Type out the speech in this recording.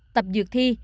tập dược thi